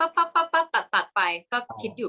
กากตัวทำอะไรบ้างอยู่ตรงนี้คนเดียว